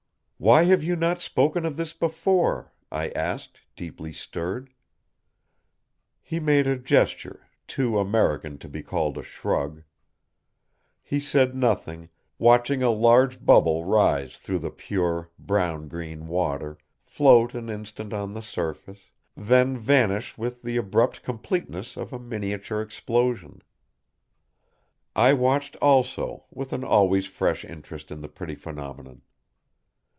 "Why have you not spoken of this before?" I asked, deeply stirred. He made a gesture, too American to be called a shrug. He said nothing, watching a large bubble rise through the pure, brown green water, float an instant on the surface, then vanish with the abrupt completeness of a miniature explosion. I watched also, with an always fresh interest in the pretty phenomenon.